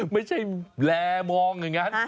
ไม่ใช่แลมองอย่างนั้น